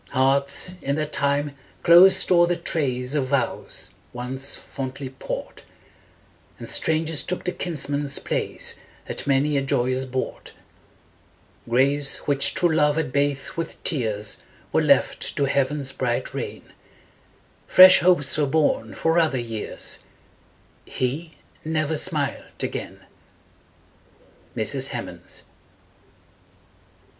Hearts, in that time, closed o'er the trace Of vows once fondly poured, And strangers took the kins man's place At many a joyous board; Graves which true love had bathed with tears Were left to heaven's bright rain; Fresh hopes were born for other years He never smiled again! MRS. HEMANS.